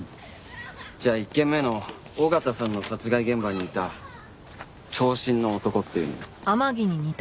じゃあ１件目の緒方さんの殺害現場にいた長身の男っていうのも。